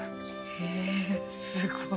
へえすごい。